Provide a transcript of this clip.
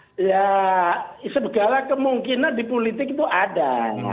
hahaha yaa segala kemungkinan di politik itu ada